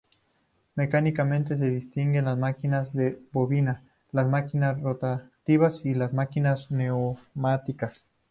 Mecánicamente, se distinguen las máquinas de bobina, las máquinas rotativas y las máquinas neumáticas.